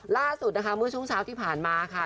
ล่าสุดนะคะเมื่อช่วงเช้าที่ผ่านมาค่ะ